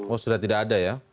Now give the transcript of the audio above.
oh sudah tidak ada ya